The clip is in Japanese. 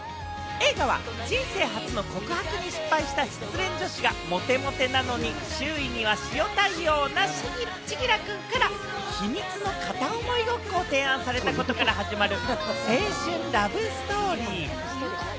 映画は人生初の告白に失敗した失恋女子がモテモテなのに周囲には塩対応な千輝くんから秘密の片想いごっこを提案されたことから始まる青春ラブストーリー。